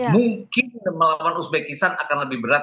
mungkin melawan uzbekistan akan lebih berat